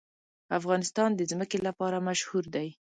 افغانستان د ځمکه لپاره مشهور دی.